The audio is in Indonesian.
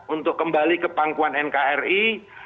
untuk kembali ke pangkuan nkri